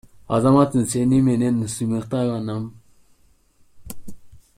Азаматсың, сени менен сыймыктанам.